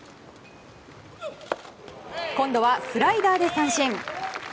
今度はスライダーで三振。